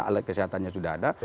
alat kesehatannya sudah ada